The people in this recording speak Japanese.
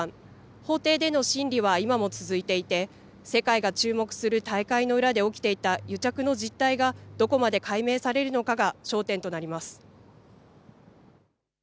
法廷での審理は今も続いていて世界が注目する大会の裏で起きていた癒着の実態がどこまで解明されるのかが焦点となります。